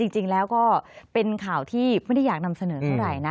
จริงแล้วก็เป็นข่าวที่ไม่ได้อยากนำเสนอเท่าไหร่นะ